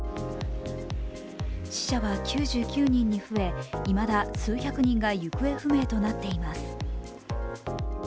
死者は９９人に増え、いまだ数百人が行方不明となっています。